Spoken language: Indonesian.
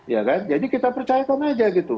ya kan jadi kita percaya sama aja gitu